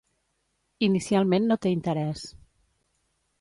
Inicialment no té interès.